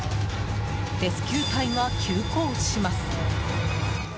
レスキュー隊が急行します。